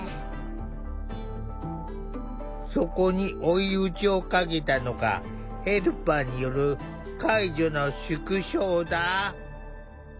そこに追い打ちをかけたのがヘルパーによる介助の縮小だ。